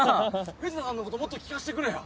藤田さんのこともっと聞かしてくれよ！